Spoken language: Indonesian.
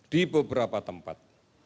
di beberapa tempat